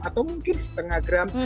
atau mungkin setengah gram